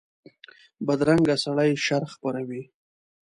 بدرنګه سړي شر خپروي